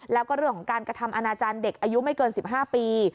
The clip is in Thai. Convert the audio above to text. แล้วก็เรื่องของการกระทำอนาจารย์เด็กอายุไม่เกิน๑๕ปี